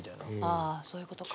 ああそういうことか。